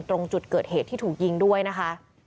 ตรงจุดเกิดเหตุที่ถูกยิงด้วยนะคะ